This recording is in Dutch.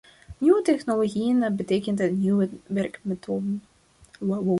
Nieuwe technologieën betekent nieuwe werkmethoden.